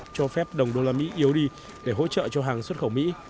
cho phép đồng đô la mỹ yếu đi để hỗ trợ cho hàng xuất khẩu mỹ